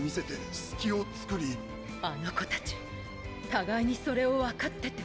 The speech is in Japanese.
あの子たち互いにそれを分かってて。